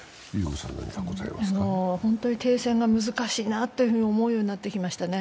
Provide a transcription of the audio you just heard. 本当に停戦が難しいなと思うようになってきましたね。